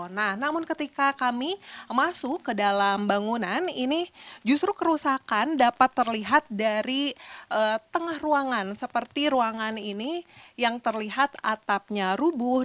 nah namun ketika kami masuk ke dalam bangunan ini justru kerusakan dapat terlihat dari tengah ruangan seperti ruangan ini yang terlihat atapnya rubuh